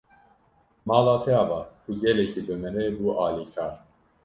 Mala te ava, tu gelekî bi min re bû alîkar.